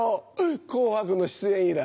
『紅白』の出演依頼。